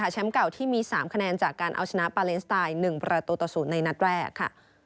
เก่าที่มี๓คะแนนจากการเอาชนะปาเลนสไตน์๑ประตูต่อ๐ในนัดแรกค่ะ